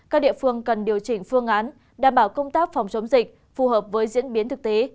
các địa phương cần điều chỉnh phương án đảm bảo công tác phòng chống dịch phù hợp với diễn biến thực tế